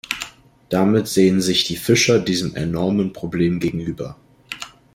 Damit sehen sich die Fischer diesem enormen Problem gegenüber.